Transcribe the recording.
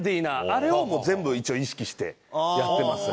あれをもう全部一応意識してやってます。